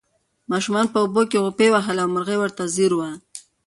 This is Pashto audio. ماشومانو په اوبو کې غوپې وهلې او مرغۍ ورته ځیر وه.